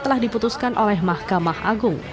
telah diputuskan oleh mahkamah agung